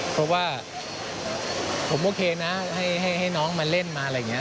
เพราะว่าผมโอเคนะให้น้องมาเล่นมาอะไรอย่างนี้